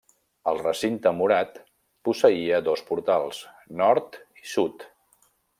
El recinte murat posseïa dos portals, nord i sud.